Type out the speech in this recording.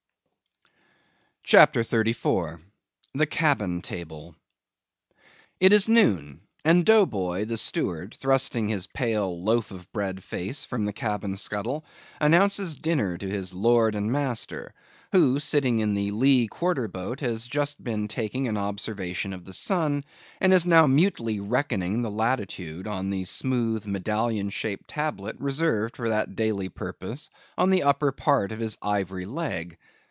CHAPTER 34. The Cabin Table. It is noon; and Dough Boy, the steward, thrusting his pale loaf of bread face from the cabin scuttle, announces dinner to his lord and master; who, sitting in the lee quarter boat, has just been taking an observation of the sun; and is now mutely reckoning the latitude on the smooth, medallion shaped tablet, reserved for that daily purpose on the upper part of his ivory leg.